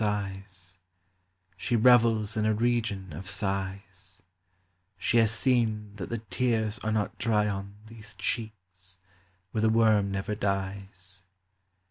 sighs, She revels in a region of sighs : She has seen that the tears are not dry on These cheeks, where the worm never dies.